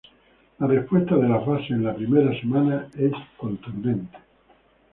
La respuesta de las bases en la primera semana es contundente.